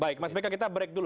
baik mas beka kita break dulu